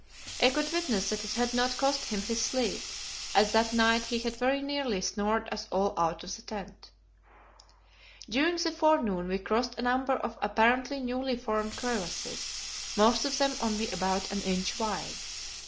I could witness that it had not cost him his sleep, as that night he had very nearly snored us all out of the tent. During the forenoon we crossed a number of apparently newly formed crevasses; most of them only about an inch wide.